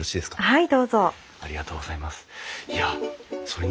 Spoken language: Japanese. はい。